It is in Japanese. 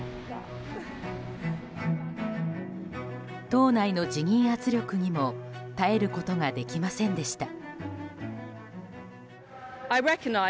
党内の辞任圧力にも耐えることができませんでした。